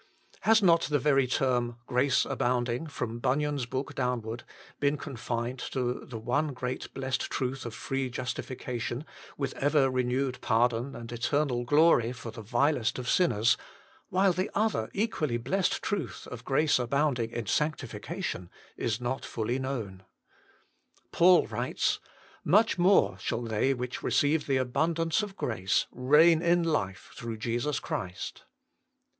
Has not the very term, "grace abounding," from Bunyan s book downward, been confined to the one great blessed truth of free justification with ever renewed pardon and eternal glory for the vilest of sinners, while the other equally blessed truth of " grace abounding " in sancti fication is not fully known. Paul writes :" Much more shall they which receive the abundance of grace reign in life through Jesus Christ."